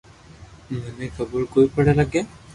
مني خبر ڪوئي پڙي ھگي